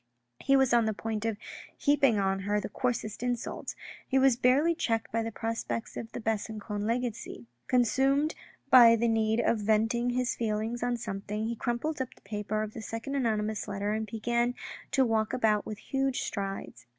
He was on the point of heaping on her the coarsest insults He was barely checked by the prospects of the Besancon legacy. Consumed by the need of venting his feelings on something, he crumpled up the paper of the second anonymous letter and began to walk about with huge strides.